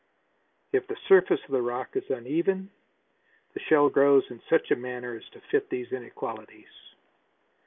If the surface of the rock is uneven the shell grows in such a manner as to fit these inequalities.